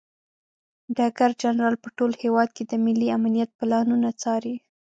ډګر جنرال په ټول هیواد کې د ملي امنیت پلانونه څاري.